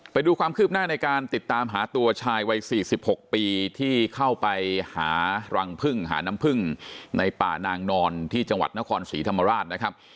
ไปดูความคืบหน้าในการติดตามหาตัวชายวัย๔๖ปีที่เข้าไปหารังพึ่งหาน้ำพึ่งในป่านางนอนที่จังหวัดนครศรีธรรมราชนะครับ